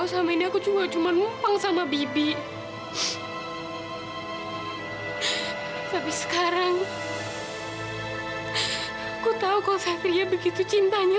sampai jumpa di video selanjutnya